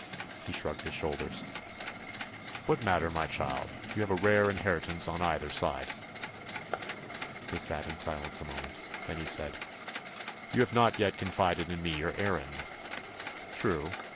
He shrugged his shoulders. "What matter, my child? You have a rare inheritance, on either side." They sat in silence a moment. Then he said: "You have not yet confided to me your errand." "True.